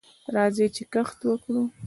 راځئ چې کښت وکړو.